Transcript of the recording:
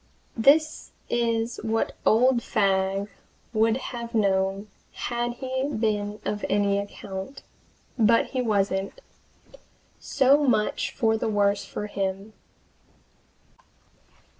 This is what old Fagg would have known had he been of any account. But he wasn't. So much the worse for him.